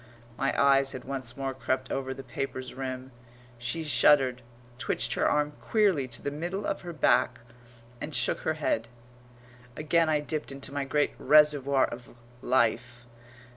My eyes had once more crept over the paper's rim. She shuddered, twitched her arm queerly to the middle of her back and shook her head. Again I dipped into my great reservoir of life.